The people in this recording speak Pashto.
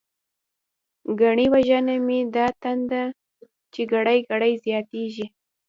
گڼی وژنی می دا تنده، چی گړی گړی زیاتتیږی